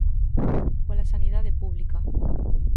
Pola sanidade pública.